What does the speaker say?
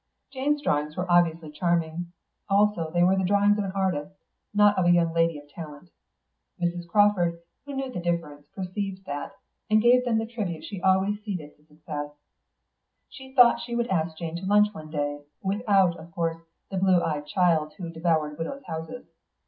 Jane's drawings were obviously charming; also they were the drawings of an artist, not of a young lady of talent. Mrs. Crawford, who knew the difference, perceived that, and gave them the tribute she always ceded to success. She thought she would ask Jane to lunch one day, without, of course, the blue eyed child who devoured widows' houses.